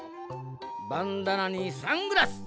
バンダナにサングラス。